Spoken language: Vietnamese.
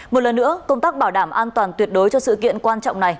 một lần nữa công tác bảo đảm an toàn tuyệt đối cho sự kiện quan trọng này